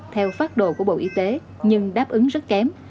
theo phát đồ của bộ y tế nhưng đáp ứng rất kém